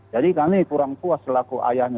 jadi kami kurang puas selaku ayahnya